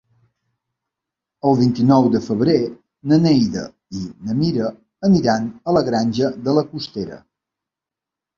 El vint-i-nou de febrer na Neida i na Mira aniran a la Granja de la Costera.